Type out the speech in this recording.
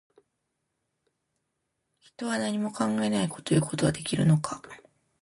人は、何も考えないということはできるのか